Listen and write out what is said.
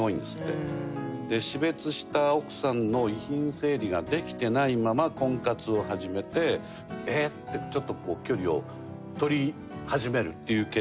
で死別した奥さんの遺品整理ができてないまま婚活を始めて「ええっ！」ってちょっとこう距離を取り始めるっていう傾向があって。